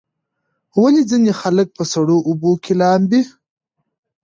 ولې ځینې خلک په سړو اوبو کې لامبي؟